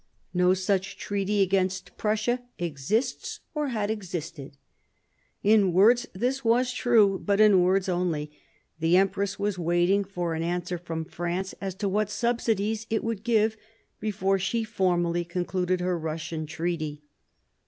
No such treaty against Prussia exists, or had existed." In words this was true, but in words only. The empress was waiting for an answer from France, as to what subsidies it would give, before she formally concluded her Russian treaty.